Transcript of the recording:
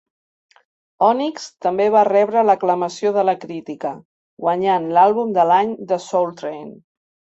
Onyx també va rebre l'aclamació de la crítica, guanyant l'àlbum de l'any de Soul Train.